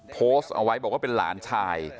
โพสต์เอาไว้บอกว่าเป็นหลานชาย